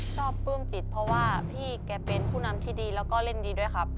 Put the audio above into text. ปลื้มจิตเพราะว่าพี่แกเป็นผู้นำที่ดีแล้วก็เล่นดีด้วยครับ